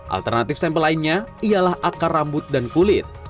alternatif sampel lainnya ialah akar rambut dan kulit